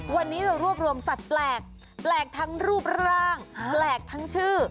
วันนี้เรารวบรวมสัตว์แปลกแปลกทั้งรูปร่างแปลกทั้งชื่อ